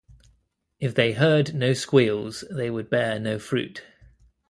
If they heard no squeals, they would bear no fruit.